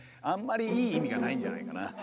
あんまりいい意味がないんじゃないかな。